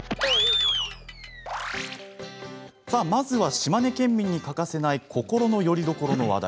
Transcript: まずは、島根県民に欠かせない心のよりどころの話題。